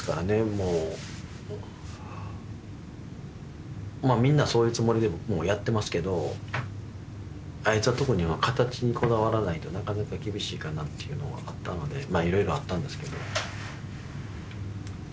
もうまあみんなそういうつもりで僕もやってますけどあいつは特に形にこだわらないとなかなか厳しいかなっていうのはあったのでまあ色々あったんですけど